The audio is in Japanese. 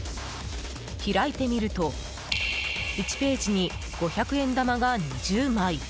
開いてみると１ページに五百円玉が２０枚。